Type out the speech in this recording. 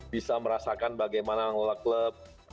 bisa merasakan bagaimana mengelola klub